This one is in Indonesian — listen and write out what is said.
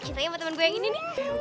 cintanya sama temen gue yang ini nih